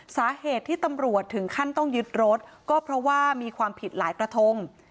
สาเหตุที่ตำรวจถึงขั้นต้องยึดรถก็เพราะว่ามีความผิดหลายกระทง